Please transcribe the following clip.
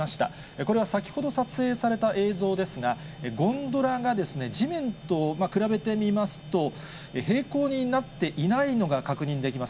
これは先ほど撮影された映像ですが、ゴンドラが地面と比べてみますと、平行になっていないのが確認できます。